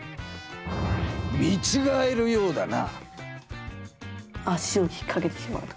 見ちがえるようだな。